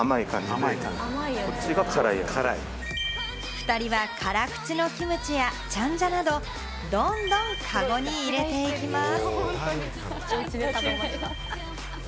２人は辛口のキムチやチャンジャなどどんどんカゴに入れていきます。